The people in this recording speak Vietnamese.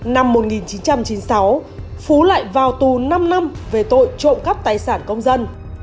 năm một nghìn chín trăm chín mươi sáu phú lại vào tù năm năm về tội trộm cắp tài sản công dân